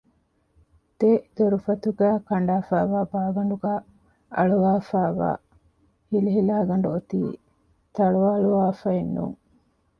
ދެ ދޮރުފަތުގައި ކަނޑާފައިވާ ބާގަނޑުގައި އަޅުވަފައިވާ ހިލިހިލާގަނޑު އޮތީ ތަޅުއަޅުވާފައެއް ނޫން